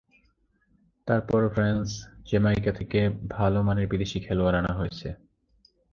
তার পরও France, Jamaica থেকে ভালো মানের বিদেশি খেলোয়াড় আনা হয়েছে।